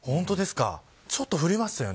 ちょっと降りましたよね。